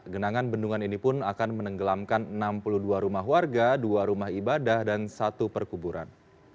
genangan bendungan ini pun akan menenggelamkan enam puluh dua rumah warga dua rumah ibadah dan satu perkuburan